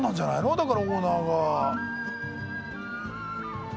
だからオーナーが。